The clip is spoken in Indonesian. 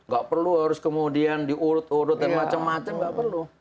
gak perlu harus kemudian diurut urut dan macam macam nggak perlu